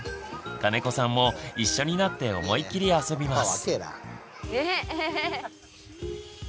金子さんも一緒になって思い切り遊びます。